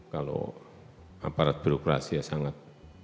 kalau aparat birokrasi ya sangat